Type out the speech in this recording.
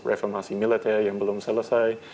reformasi milace yang belum selesai